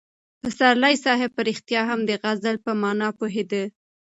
پسرلي صاحب په رښتیا هم د غزل په مانا پوهېده.